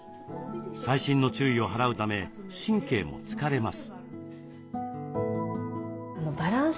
細心の注意を払うため神経も疲れます。